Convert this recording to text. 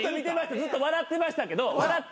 ずっと笑ってましたけど。